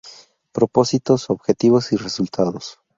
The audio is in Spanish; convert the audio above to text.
Propósitos, objetivos y resultados.